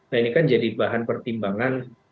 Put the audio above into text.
nah ini kan jadi bahan pertimbangan